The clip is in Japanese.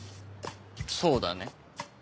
そうだね。